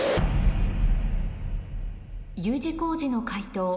Ｕ字工事の解答